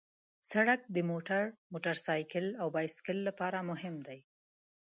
سړک د موټر، موټرسایکل او بایسکل لپاره مهم دی.